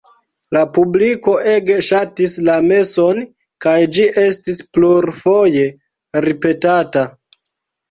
La publiko ege ŝatis la meson, kaj ĝi estis plurfoje ripetata.